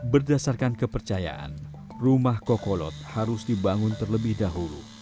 berdasarkan kepercayaan rumah kokolot harus dibangun terlebih dahulu